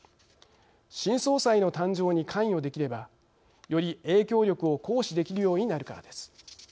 新総裁の誕生に関与できればより影響力を行使できるようになるからです。